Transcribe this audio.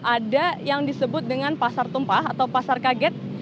ada yang disebut dengan pasar tumpah atau pasar kaget